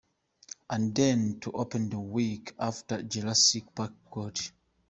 And then to open the week after Jurassic Park--God!